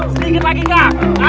sedikit lagi kanjeng ratu